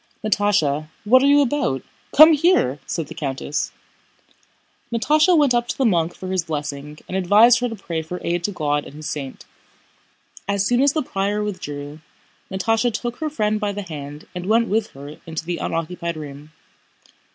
"Natásha, what are you about? Come here!" said the countess. Natásha went up to the monk for his blessing, and he advised her to pray for aid to God and His saint. As soon as the prior withdrew, Natásha took her friend by the hand and went with her into the unoccupied room.